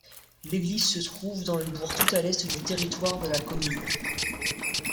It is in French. L'église se trouve dans le bourg tout à l'est du territoire de la commune.